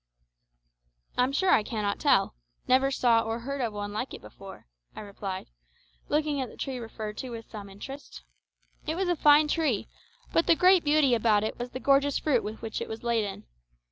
"I'm sure I cannot tell. Never saw or heard of one like it before," I replied, looking at the tree referred to with some interest. It was a fine tree, but the great beauty about it was the gorgeous fruit with which it was laden.